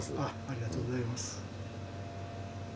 ありがとうございます。